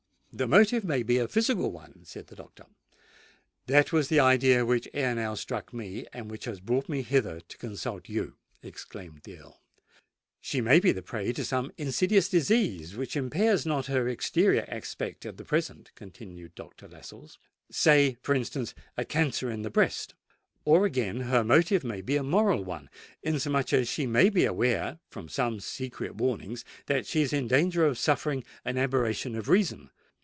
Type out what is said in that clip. "The motive may be a physical one," said the doctor. "That was the idea which ere now struck me, and which has brought me hither to consult you!" exclaimed the Earl. "She may be the prey to some insidious disease which impairs not her exterior aspect at present," continued Doctor Lascelles; "say, for instance, a cancer in the breast. Or again, her motive may be a moral one; inasmuch as she may be aware, from some secret warnings, that she is in danger of suffering an aberration of reason."